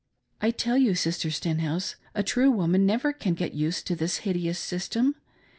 I tell you, Sister Stenhouse, a true woman never can "get used" to this hideous system.